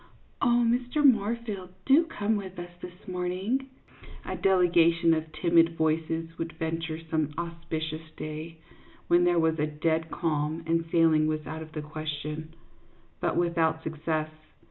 " Oh, Mr. Moorfield, do come with us this morn ing !" a delegation of timid voices would venture some auspicious day, when there was a dead calm and sailing was out of the question, but without success.